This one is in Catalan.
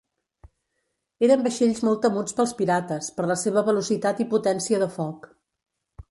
Eren vaixells molt temuts pels pirates, per la seva velocitat i potència de foc.